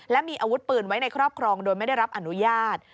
และมีอาวุธปืนไว้ในครอบครองโดยไม่ได้รับอนุญาต